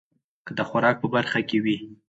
که د خوراک په برخه کې وي